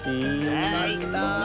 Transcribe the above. よかった。